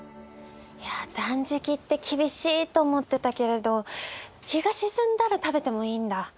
いや断食って厳しいと思ってたけれど日が沈んだら食べてもいいんだ。